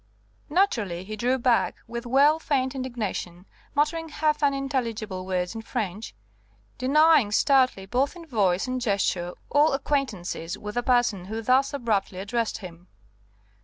Naturally he drew back with well feigned indignation, muttering half unintelligible words in French, denying stoutly both in voice and gesture all acquaintance with the person who thus abruptly addressed him.